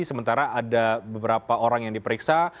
sementara ada beberapa orang yang diperiksa